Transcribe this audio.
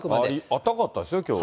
あったかかったですよ、きょう。